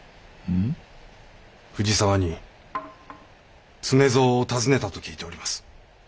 藤沢に常蔵を訪ねたと聞いております。